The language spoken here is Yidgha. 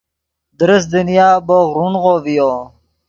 درست دنیا بوق رونغو ڤیو